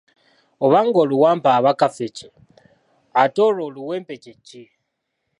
Obanga oluwampa aba kaffecce, ate olwo oluwempe kye ki?